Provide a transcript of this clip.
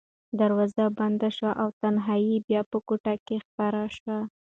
دروازه بنده شوه او تنهایي بیا په کوټه کې خپره شوه.